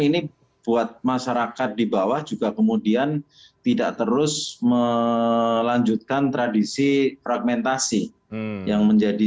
ini buat masyarakat di bawah juga kemudian tidak terus melanjutkan tradisi fragmentasi yang menjadi